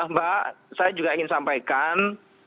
mbak saya juga ingin sampaikan